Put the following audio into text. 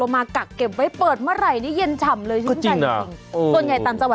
ไม่รู้เกิดอะไรขึ้นลงคลองเฉยเลยครับ